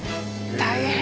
大変！